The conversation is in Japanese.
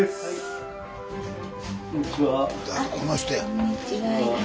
この人や！